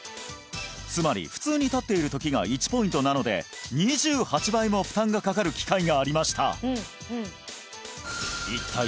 つまり普通に立っているときが１ポイントなので２８倍も負担がかかる機会がありました